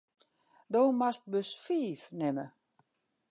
Do moatst bus fiif nimme.